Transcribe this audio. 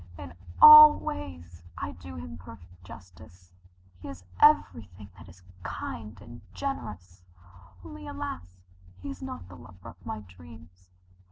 In all ways I do him perfect justice. He is everything that is kind and generous only, alas, he is not the lover of my dreams.